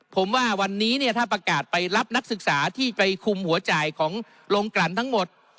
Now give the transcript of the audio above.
ผมว่าวันนี้เนี่ยถ้าประกาศไปรับนักศึกษาที่ไปคุมหัวจ่ายของโรงกลั่นทั้งหมด